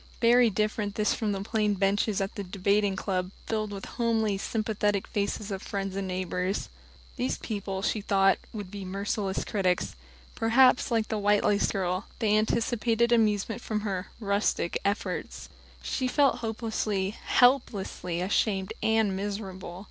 Very different this from the plain benches at the Debating Club, filled with the homely, sympathetic faces of friends and neighbors. These people, she thought, would be merciless critics. Perhaps, like the white lace girl, they anticipated amusement from her "rustic" efforts. She felt hopelessly, helplessly ashamed and miserable.